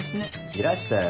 いらしたよ